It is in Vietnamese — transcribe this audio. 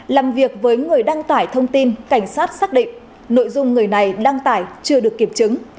làm việc với người đăng tải thông tin cảnh sát xác định nội dung người này đăng tải chưa được kiểm chứng